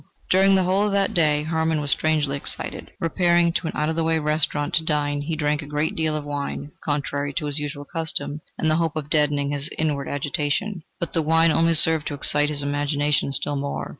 During the whole of that day, Hermann was strangely excited. Repairing to an out of the way restaurant to dine, he drank a great deal of wine, contrary to his usual custom, in the hope of deadening his inward agitation. But the wine only served to excite his imagination still more.